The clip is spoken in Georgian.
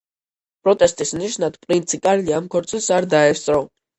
პროტესტის ნიშნად, პრინცი კარლი ამ ქორწილს არ დაესწრო.